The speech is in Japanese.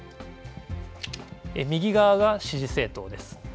右側が支持政党です。